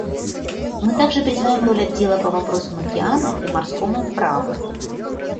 Мы также признаем роль Отдела по вопросам океана и морскому праву.